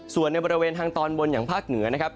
ส่วนในบริเวณทางตอนบนอย่างภาคเหนือนะครับ